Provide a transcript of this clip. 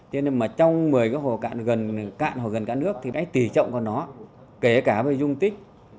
cho nên trong một mươi hồ cạn gần cả nước thì tỷ trọng của nó kể cả dung tích